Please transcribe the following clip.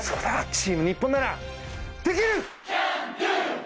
チーム日本ならできる！